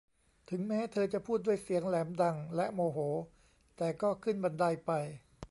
ถึงแม้เธอจะพูดด้วยเสียงแหลมดัง และ โมโห แต่ก็ขึ้นบันไดไป